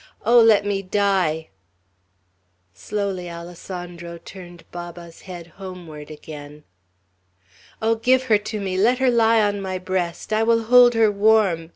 "Oh, let me die!" Slowly Alessandro turned Baba's head homeward again. "Oh, give her to me! Let her lie on my breast! I will hold her warm!"